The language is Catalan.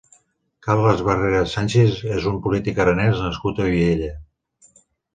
Carles Barrera Sánchez és un polític aranès nascut a Viella.